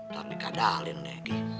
tapi kadalin deh dih